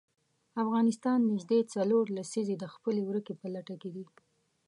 افغانستان نژدې څلور لسیزې د خپلې ورکې په لټه کې دی.